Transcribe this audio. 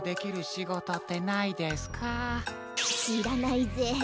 しらないぜ。